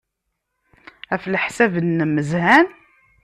Ɣef leḥsab-nnem, zhan?